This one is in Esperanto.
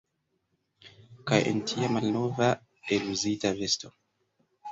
Kaj en tia malnova, eluzita vesto!